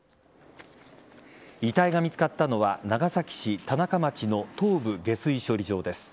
遺体が見つかったのは長崎市田中町の東部下水処理場です。